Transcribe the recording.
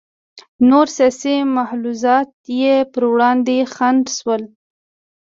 نور سیاسي ملحوظات یې پر وړاندې خنډ شول.